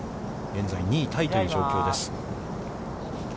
現在２位タイという状況です。